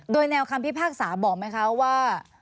โดยแนวคำพิพากษาบอกไหมคะว่า